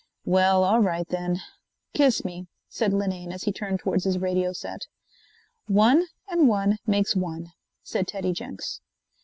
"Well, all right then. Kiss me," said Linane as he turned towards his radio set. "One and one makes one," said Teddy Jenks.